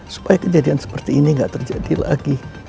supaya kejadian seperti ini tidak terjadi lagi